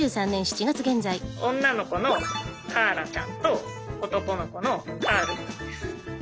女の子のカーラちゃんと男の子のカール君です。